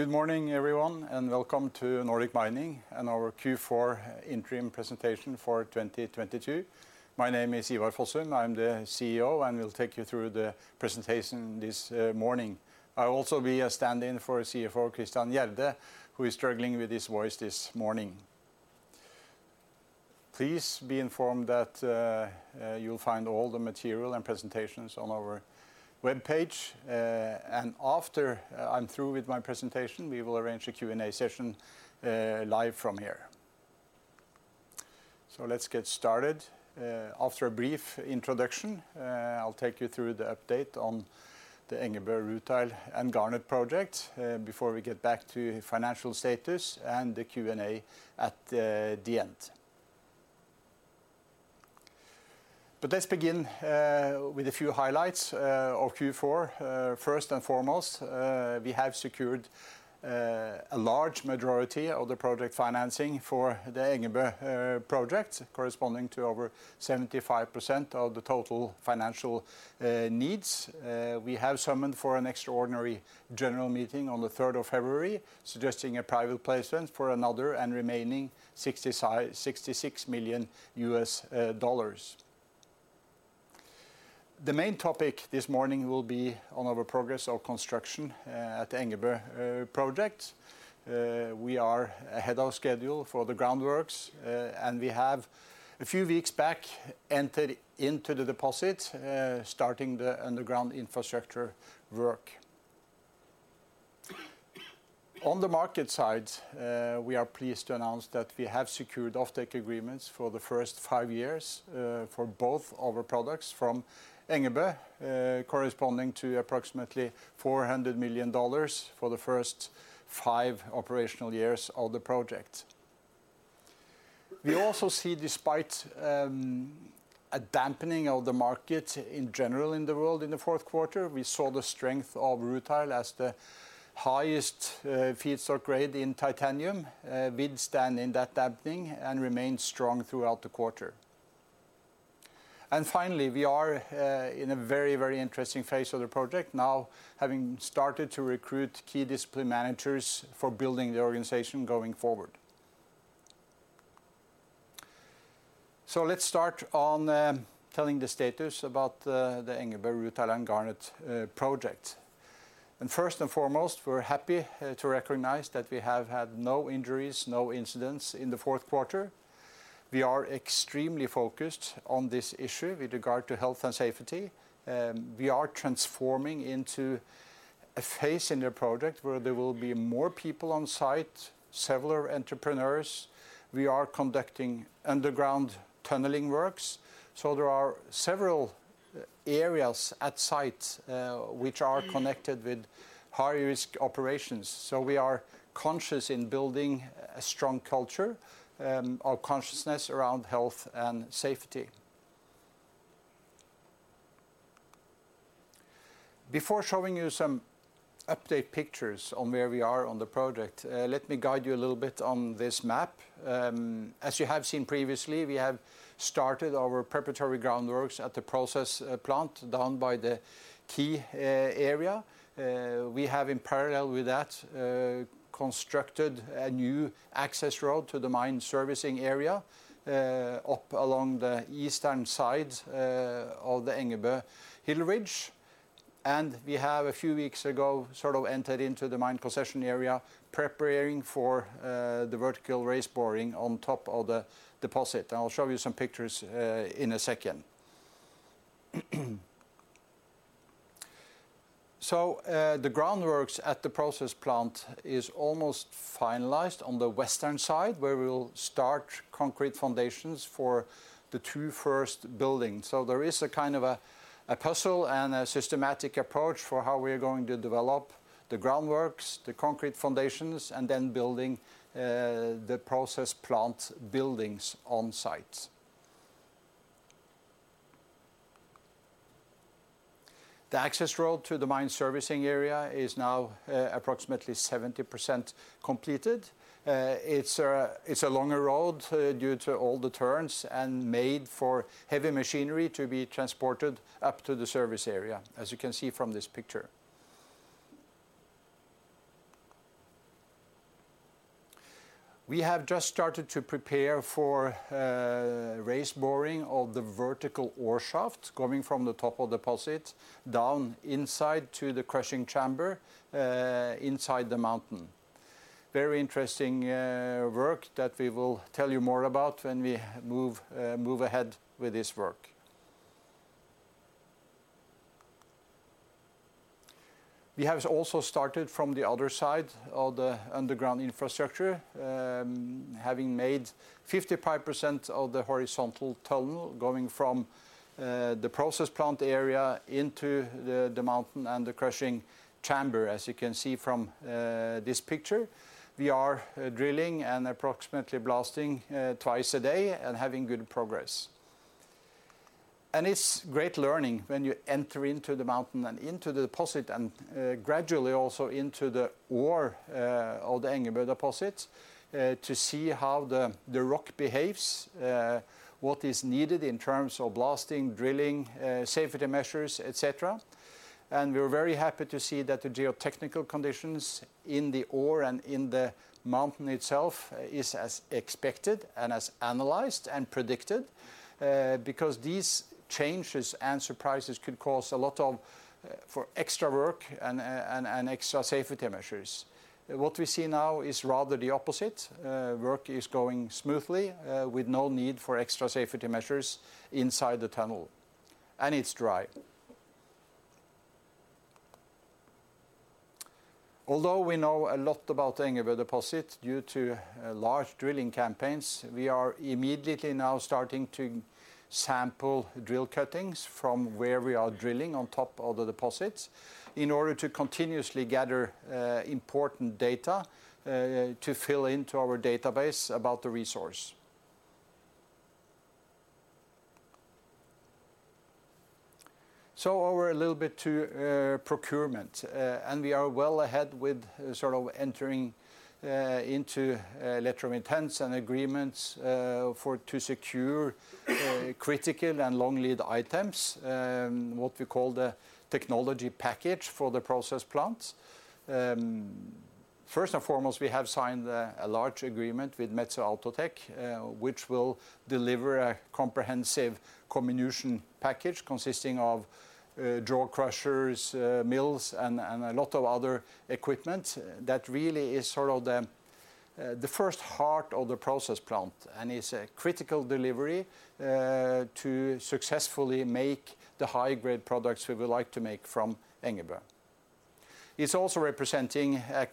Good morning, everyone, and welcome to Nordic Mining and our Q4 interim presentation for 2022. My name is Ivar Fossum, I'm the CEO, and will take you through the presentation this morning. I'll also be a stand-in for CFO Christian Gjerde, who is struggling with his voice this morning. Please be informed that you'll find all the material and presentations on our webpage. After I'm through with my presentation, we will arrange a Q&A session live from here. Let's get started. After a brief introduction, I'll take you through the update on the Engebø Rutile and Garnet project, before we get back to financial status and the Q&A at the end. Let's begin with a few highlights of Q4. First and foremost, we have secured a large majority of the project financing for the Engebø project corresponding to over 75% of the total financial needs. We have summoned for an extraordinary general meeting on the third of February, suggesting a private placement for another and remaining $66 million. The main topic this morning will be on our progress of construction at Engebø project. We are ahead of schedule for the groundworks, and we have, a few weeks back, entered into the deposit, starting the underground infrastructure work. On the market side, we are pleased to announce that we have secured offtake agreements for the first five years, for both our products from Engebø, corresponding to approximately $400 million for the first five operational years of the project. We also see despite a dampening of the market in general in the world in the fourth quarter, we saw the strength of rutile as the highest feed stock grade in titanium withstand in that dampening and remain strong throughout the quarter. Finally, we are in a very, very interesting phase of the project now having started to recruit key discipline managers for building the organization going forward. Let's start on telling the status about the Engebø Rutile and Garnet project. First and foremost, we're happy to recognize that we have had no injuries, no incidents in the Q4. We are extremely focused on this issue with regard to health and safety. We are transforming into a phase in the project where there will be more people on site, several entrepreneurs. We are conducting underground tunneling works, so there are several areas at site which are connected with high-risk operations. We are conscious in building a strong culture, or consciousness around health and safety. Before showing you some update pictures on where we are on the project, let me guide you a little bit on this map. As you have seen previously, we have started our preparatory groundworks at the process plant down by the key area. We have in parallel with that, constructed a new access road to the mine servicing area up along the eastern side of the Engebø hill ridge. We have a few weeks ago sort of entered into the mine possession area preparing for the vertical raise boring on top of the deposit. I'll show you some pictures in a second. The groundworks at the process plant is almost finalized on the western side where we'll start concrete foundations for the two first buildings. There is a kind of a puzzle and a systematic approach for how we're going to develop the groundworks, the concrete foundations, and then building the process plant buildings on site. The access road to the mine servicing area is now approximately 70% completed. It's a, it's a longer road due to all the turns and made for heavy machinery to be transported up to the service area, as you can see from this picture. We have just started to prepare for raise boring of the vertical ore shaft coming from the top of deposit down inside to the crushing chamber inside the mountain. Very interesting work that we will tell you more about when we move ahead with this work. We have also started from the other side of the underground infrastructure, having made 55% of the horizontal tunnel going from the process plant area into the mountain and the crushing chamber, as you can see from this picture. We are drilling and approximately blasting twice a day and having good progress. It's great learning when you enter into the mountain and into the deposit and, gradually also into the ore of the Engebø deposit, to see how the rock behaves, what is needed in terms of blasting, drilling, safety measures, et cetera. We are very happy to see that the geotechnical conditions in the ore and in the mountain itself is as expected and as analyzed and predicted, because these changes and surprises could cause a lot of, for extra work and extra safety measures. What we see now is rather the opposite. Work is going smoothly, with no need for extra safety measures inside the tunnel, and it's dry. Although we know a lot about Engebø deposit due to large drilling campaigns, we are immediately now starting to sample drill cuttings from where we are drilling on top of the deposits in order to continuously gather important data to fill into our database about the resource. Over a little bit to procurement, and we are well ahead with sort of entering into letter of intents and agreements for to secure critical and long lead items, what we call the technology package for the process plant. First and foremost, we have signed a large agreement with Metso Outotec, which will deliver a comprehensive comminution package consisting of jaw crushers, mills, and a lot of other equipment that really is sort of the first heart of the process plant and is a critical delivery to successfully make the high-grade products we would like to make from Engebø. It's also representing a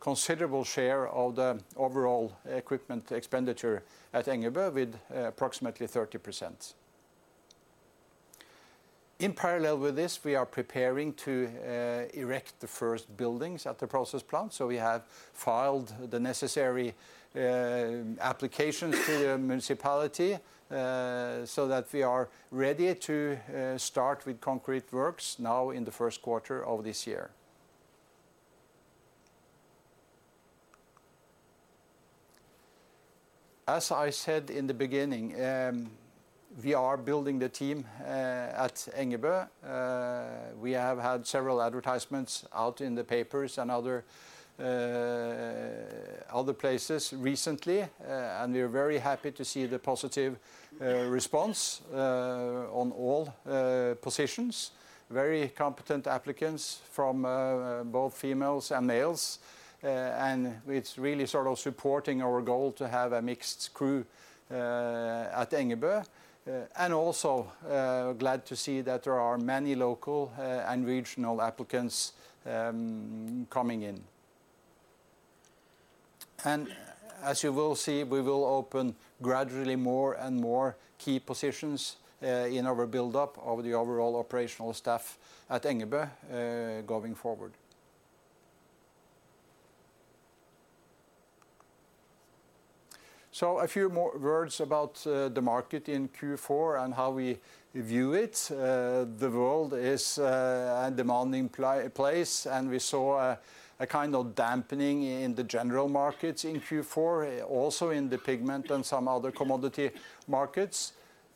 considerable share of the overall equipment expenditure at Engebø with approximately 30%. In parallel with this, we are preparing to erect the first buildings at the process plant, so we have filed the necessary applications to the municipality, so that we are ready to start with concrete works now in the first quarter of this year. As I said in the beginning, we are building the team at Engebø. We have had several advertisements out in the papers and other places recently, we're very happy to see the positive response on all positions. Very competent applicants from both females and males, it's really sort of supporting our goal to have a mixed crew at Engebø, also glad to see that there are many local and regional applicants coming in. As you will see, we will open gradually more and more key positions in our buildup of the overall operational staff at Engebø going forward. A few more words about the market in Q4 and how we view it. the world is a demanding place. We saw a kind of dampening in the general markets in Q4, also in the pigment and some other commodity markets.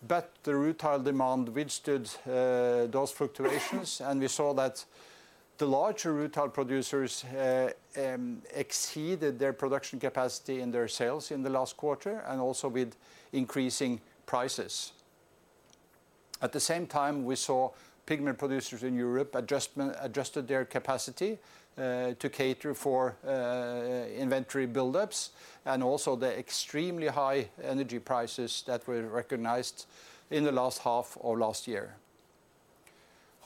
The rutile demand withstood those fluctuations, and we saw that the larger rutile producers exceeded their production capacity in their sales in the last quarter and also with increasing prices. At the same time, we saw pigment producers in Europe adjusted their capacity to cater for inventory buildups and also the extremely high energy prices that were recognized in the last half of last year.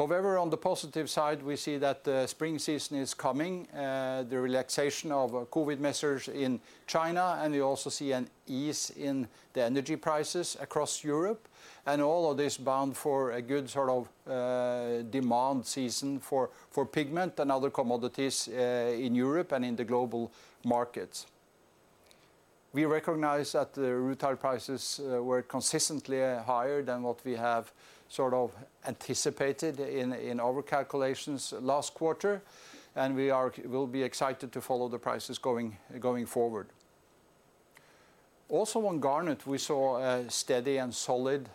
On the positive side, we see that the spring season is coming, the relaxation of COVID measures in China, and we also see an ease in the energy prices across Europe. All of this bound for a good sort of demand season for pigment and other commodities in Europe and in the global markets. We recognize that the rutile prices were consistently higher than what we have sort of anticipated in our calculations last quarter, and we'll be excited to follow the prices going forward. Also, on garnet, we saw a steady and solid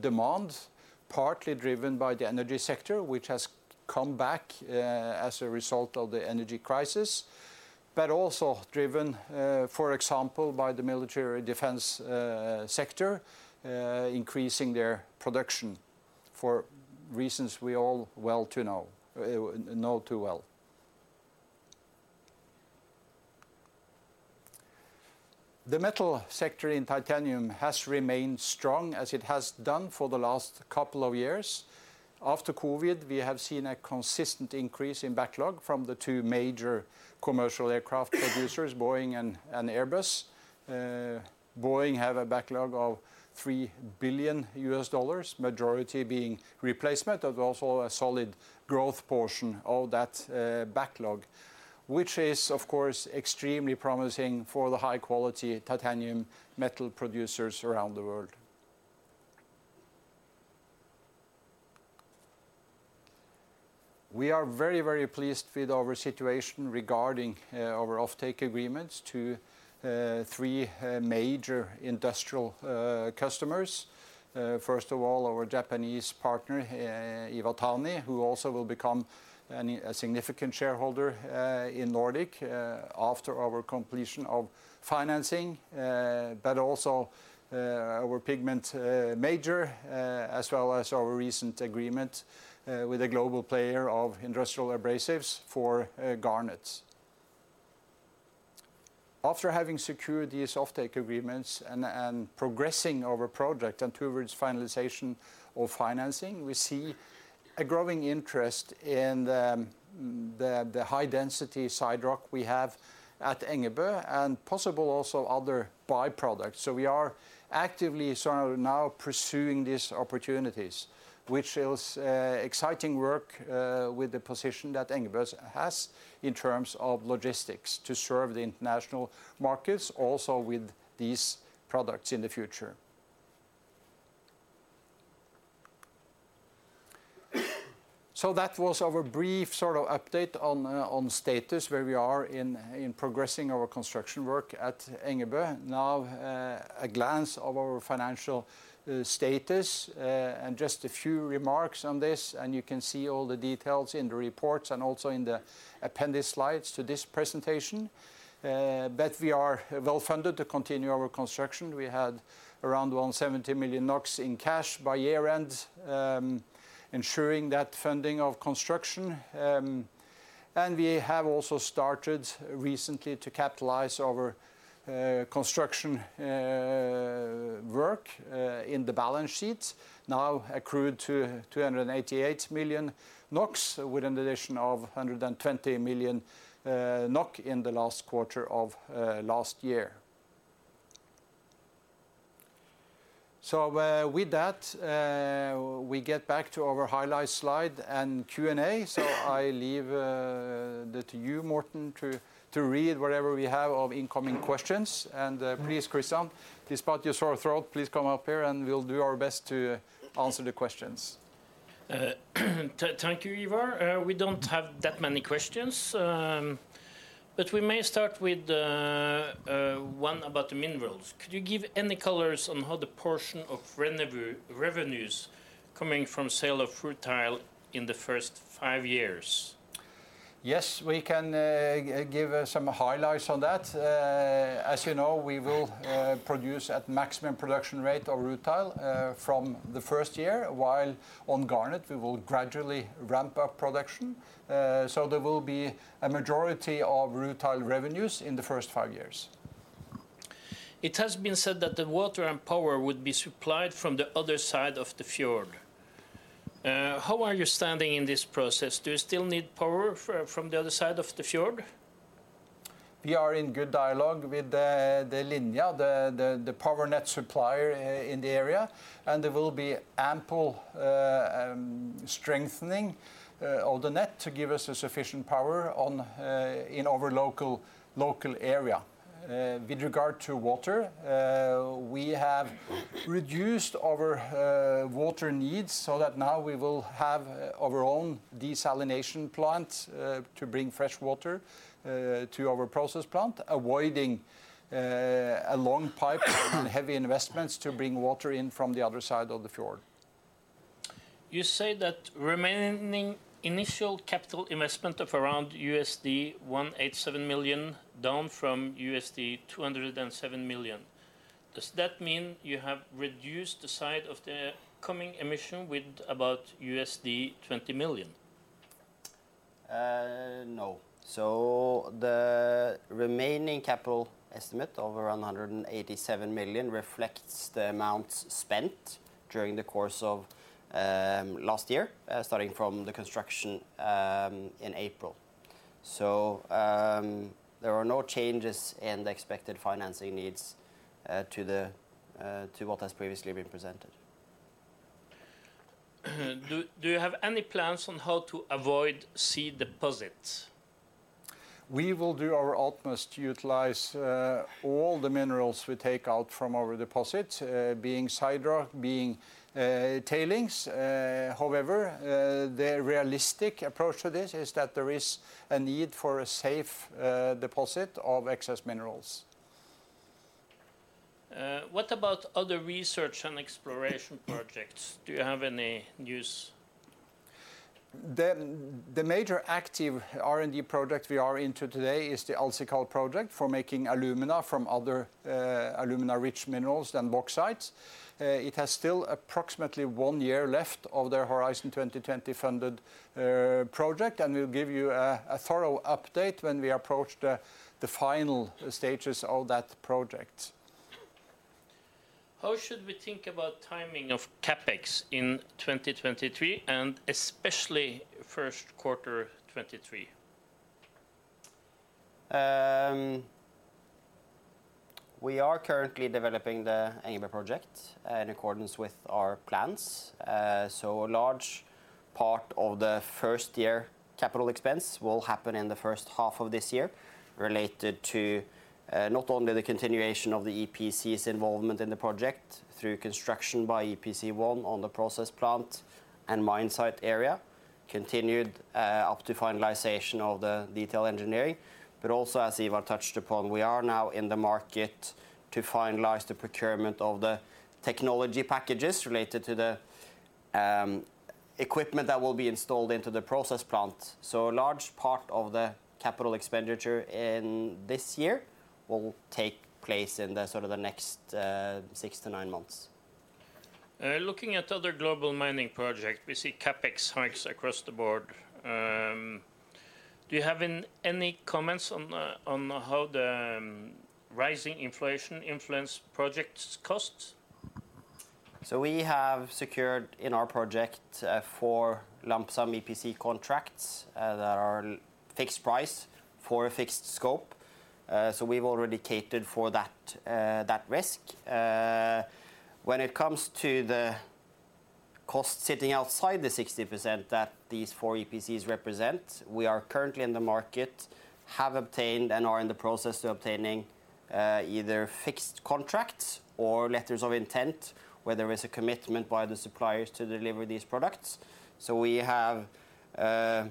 demand, partly driven by the energy sector, which has come back as a result of the energy crisis, but also driven, for example, by the military defense sector, increasing their production for reasons we all know too well. The metal sector in titanium has remained strong, as it has done for the last couple of years. After COVID, we have seen a consistent increase in backlog from the two major commercial aircraft producers, Boeing and Airbus. Boeing have a backlog of $3 billion, majority being replacement, but also a solid growth portion of that backlog, which is, of course, extremely promising for the high-quality titanium metal producers around the world. We are very, very pleased with our situation regarding our offtake agreements to three major industrial customers. First of all our Japanese partner, Iwatani, who also will become a significant shareholder in Nordic after our completion of financing. But also, our pigment major, as well as our recent agreement with a global player of industrial abrasives for garnets. After having secured these offtake agreements and progressing of a project and towards finalization of financing, we see a growing interest in the high density siderite we have at Engebø, and possible also other byproducts. We are actively sort of now pursuing these opportunities, which is exciting work with the position that Engebø has in terms of logistics to serve the international markets also with these products in the future. That was our brief sort of update on status where we are in progressing our construction work at Engebø. Now, a glance of our financial status and just a few remarks on this, and you can see all the details in the reports and also in the appendix slides to this presentation. We are well-funded to continue our construction. We had around 170 million NOK in cash by year-end, ensuring that funding of construction. We have also started recently to capitalize our construction work in the balance sheet, now accrued to 288 million NOK with an addition of 120 million NOK in the last quarter of last year. With that, we get back to our highlight slide and Q&A. I leave that to you, Morten, to read whatever we have of incoming questions. Please, Christian, despite your sore throat, please come up here and we'll do our best to answer the questions. Thank you, Ivar. We don't have that many questions. We may start with the one about the minerals. Could you give any colors on how the portion of revenues coming from sale of rutile in the first five years? Yes, we can give some highlights on that. As you know, we will produce at maximum production rate of rutile from the first year, while on garnet we will gradually ramp up production. There will be a majority of rutile revenues in the first five years. It has been said that the water and power would be supplied from the other side of the fjord. How are you standing in this process? Do you still need power from the other side of the fjord? We are in good dialogue with the Linja, the power net supplier in the area. There will be ample strengthening of the net to give us a sufficient power on in our local area. With regard to water, we have reduced our water needs so that now we will have our own desalination plant to bring fresh water to our process plant, avoiding a long pipe and heavy investments to bring water in from the other side of the fjord. You say that remaining initial capital investment of around $187 million, down from $207 million. Does that mean you have reduced the size of the coming emission with about $20 million? no. The remaining capital estimate of around $187 million reflects the amounts spent during the course of last year, starting from the construction in April. There are no changes in the expected financing needs to the to what has previously been presented. Do you have any plans on how to avoid sea deposits? We will do our utmost to utilize all the minerals we take out from our deposit, being siderite, being tailings. The realistic approach to this is that there is a need for a safe deposit of excess minerals. What about other research and exploration projects? Do you have any news? The major active R&D project we are into today is the AlSiCal project for making alumina from other, alumina-rich minerals than bauxites. It has still approximately one year left of their Horizon 2020 funded, project, and we'll give you a thorough update when we approach the final stages of that project. How should we think about timing of CapEx in 2023, and especially Q1 2023? We are currently developing the Engebø project in accordance with our plans. A large part of the first year CapEx will happen in the first half of this year related to not only the continuation of the EPCs involvement in the project through construction by EPC1 on the process plant and mine site area, continued up to finalization of the detail engineering. Also as Ivar touched upon, we are now in the market to finalize the procurement of the technology packages related to the equipment that will be installed into the process plant. Large part of the CapEx in this year will take place in the sort of the next six-nine months. Looking at other global mining projects, we see CapEx hikes across the board. Do you have any comments on how the rising inflation influence projects costs? We have secured in our project, four lump sum EPC contracts, that are fixed price for a fixed scope. We've already catered for that risk. When it comes to the cost sitting outside the 60% that these four EPCs represent, we are currently in the market, have obtained and are in the process of obtaining, either fixed contracts or letters of intent where there is a commitment by the suppliers to deliver these products. We have good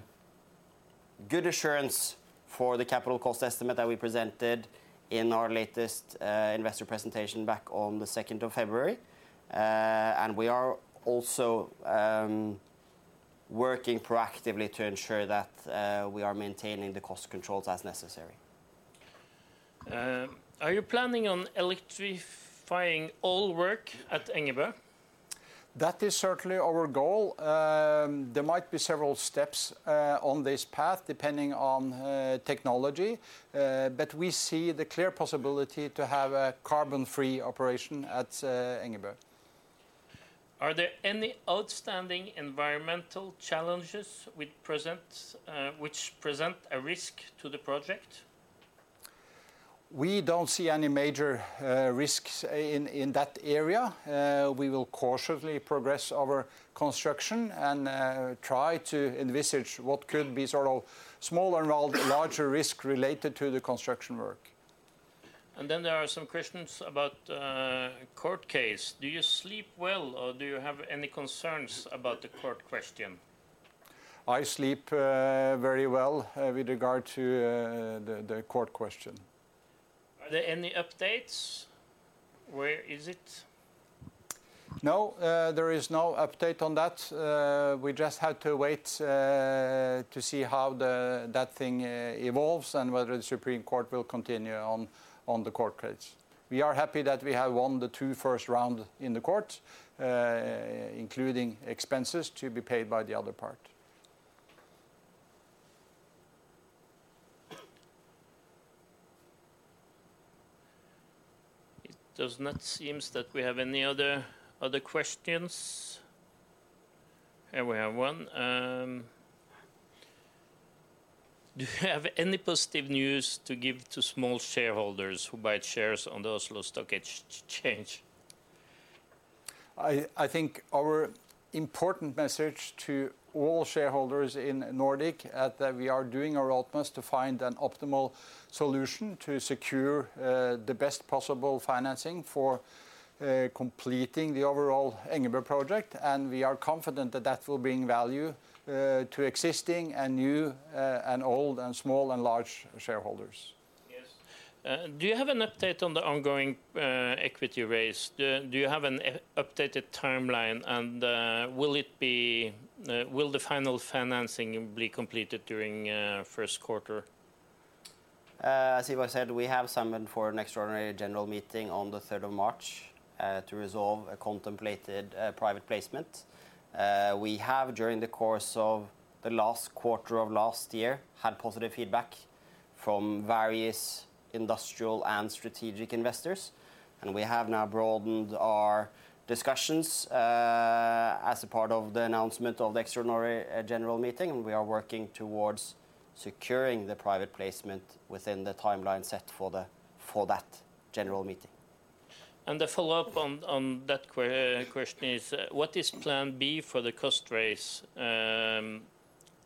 assurance for the capital cost estimate that we presented in our latest investor presentation back on the 2nd of February. We are also working proactively to ensure that we are maintaining the cost controls as necessary. Are you planning on electrifying all work at Engebø? That is certainly our goal. There might be several steps on this path, depending on technology. We see the clear possibility to have a carbon-free operation at Engebø. Are there any outstanding environmental challenges which present a risk to the project? We don't see any major risks in that area. We will cautiously progress our construction and try to envisage what could be sort of smaller and larger risk related to the construction work. There are some questions about, court case. Do you sleep well, or do you have any concerns about the court question? I sleep, very well, with regard to, the court question. Are there any updates? Where is it? No, there is no update on that. We just had to wait to see how that thing evolves and whether the Supreme Court will continue on the court case. We are happy that we have won the two first round in the court, including expenses to be paid by the other part. It does not seems that we have any other questions. Here we have one. Do you have any positive news to give to small shareholders who buy shares on the Oslo Stock Exchange? I think our important message to all shareholders in Nordic that we are doing our utmost to find an optimal solution to secure the best possible financing for completing the overall Engebø project, and we are confident that that will bring value to existing and new and old and small and large shareholders. Yes. Do you have an update on the ongoing equity raise? Do you have an updated timeline? Will the final financing be completed during first quarter? As Ivar said, we have summoned for an extraordinary general meeting on the third of March, to resolve a contemplated private placement. We have, during the course of the last quarter of last year, had positive feedback from various industrial and strategic investors, and we have now broadened our discussions, as a part of the announcement of the extraordinary general meeting, and we are working towards securing the private placement within the timeline set for the, for that general meeting. The follow-up on that question is, what is plan B for the cost raise?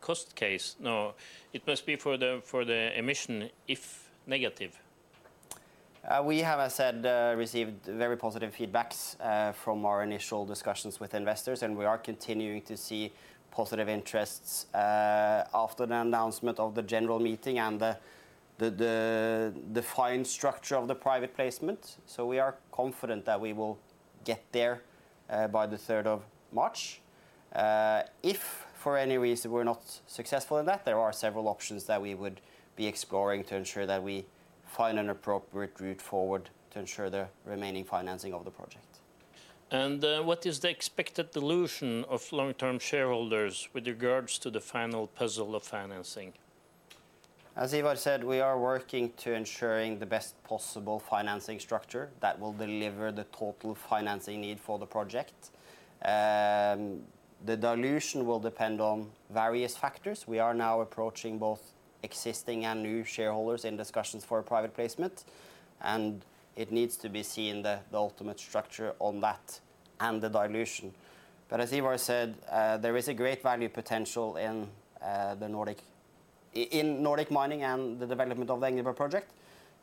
Cost case? No. It must be for the emission if negative. We have, I said, received very positive feedbacks from our initial discussions with investors, and we are continuing to see positive interests after the announcement of the general meeting and the fine structure of the private placement. We are confident that we will get there by the third of March. If for any reason we're not successful in that, there are several options that we would be exploring to ensure that we find an appropriate route forward to ensure the remaining financing of the project. What is the expected dilution of long-term shareholders with regards to the final puzzle of financing? As Ivar said, we are working to ensuring the best possible financing structure that will deliver the total financing need for the project. The dilution will depend on various factors. We are now approaching both existing and new shareholders in discussions for a private placement, and it needs to be seen the ultimate structure on that and the dilution. As Ivar said, there is a great value potential in Nordic Mining and the development of the Engebø project,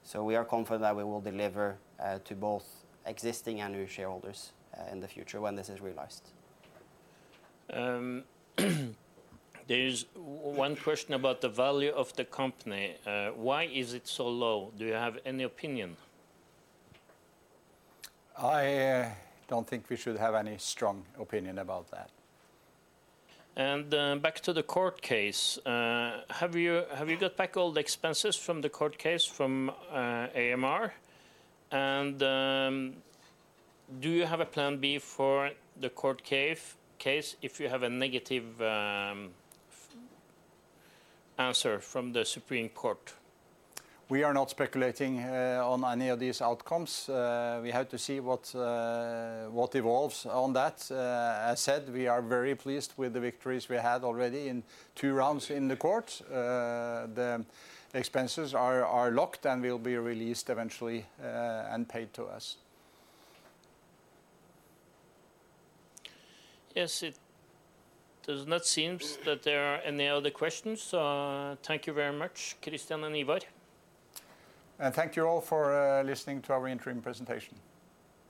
so we are confident that we will deliver to both existing and new shareholders in the future when this is realized. There is one question about the value of the company. Why is it so low? Do you have any opinion? I, don't think we should have any strong opinion about that. Back to the court case? Have you got back all the expenses from the court case from AMR? Do you have a plan B for the court case if you have a negative answer from the Supreme Court? We are not speculating on any of these outcomes. We have to see what evolves on that. As said, we are very pleased with the victories we had already in two rounds in the court. The expenses are locked and will be released eventually and paid to us. Yes, it does not seems that there are any other questions. Thank you very much, Christian and Ivar. Thank you all for listening to our interim presentation.